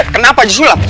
eh kenapa haji sulam